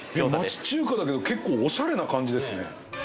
町中華だけど結構おしゃれな感じですね